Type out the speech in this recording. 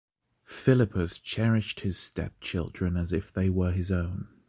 Philippus cherished his stepchildren as if they were his own.